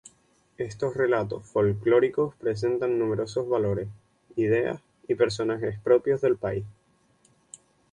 Estos relatos folclóricos presentan numerosos valores, ideas y personajes propios del país.